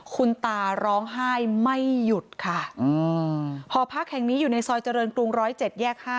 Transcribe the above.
คุณตาร้องไห้ไม่หยุดค่ะอืมพอพักแห่งนี้อยู่ในซอยเจริญกรุงร้อยเจ็ดแยกห้า